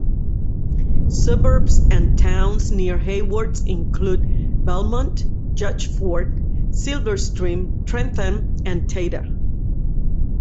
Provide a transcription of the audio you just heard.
Suburbs and towns near Haywards include Belmont, Judgeford, Silverstream, Trentham and Taita.